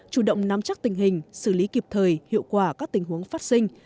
chủ động nắm chắc tình hình xử lý kịp thời hiệu quả các tình huống phát sinh